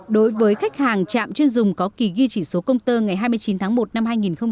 đối với khách hàng trạm chuyên dùng có kỳ ghi chỉ số công tơ ngày hai mươi chín tháng một năm hai nghìn hai mươi